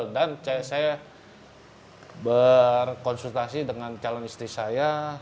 dan saya berkonsultasi dengan calon istri saya